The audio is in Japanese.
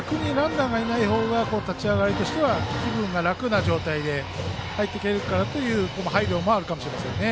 ランナーがいないほうが立ち上がりとしては気分が楽な状態で入れるという配慮もあるかもしれません。